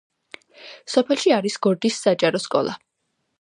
სოფელში არის გორდის საჯარო სკოლა.